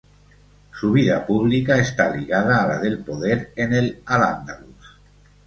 Su vida pública está ligada a la del poder en al-Ándalus.